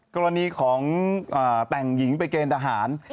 กรณีของแต่งหญิงไปเกณฑ์ทหาร